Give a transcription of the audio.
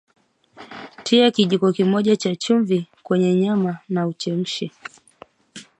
Tia kijiko kimoja cha chumvi kwenye nyama na uchemshe